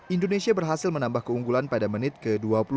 indonesia berhasil menambah keunggulan pada menit ke dua puluh tiga